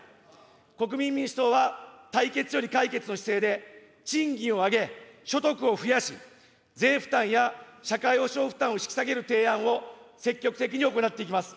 国民民主党は、対決より解決の姿勢で、賃金を上げ、所得を増やし、税負担や社会保障負担を引き下げる提案を積極的に行っていきます。